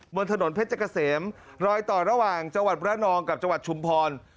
บนถนนเพชรเกษมรอยต่อระหว่างจังหวัดระนองกับจังหวัดชุมพร